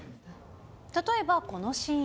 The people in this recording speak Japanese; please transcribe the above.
例えば、このシーン。